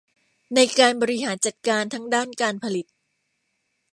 ในการบริหารจัดการทั้งด้านการผลิต